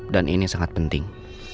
dan ini sangat penting